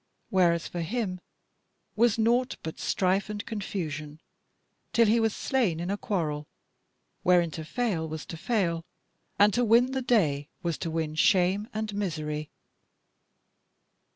Whereas for him was naught but strife and confusion, till he was slain in a quarrel, wherein to fail was to fail, and to win the day was to win shame and misery."